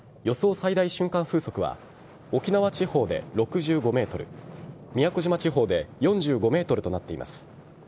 最大瞬間風速は沖縄地方で６５メートル宮古島地方で４５メートルとなっています。